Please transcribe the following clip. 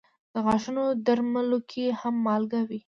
د غاښونو درملو کې هم مالګه وي.